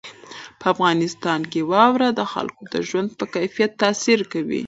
په افغانستان کې واوره د خلکو د ژوند په کیفیت تاثیر کوي.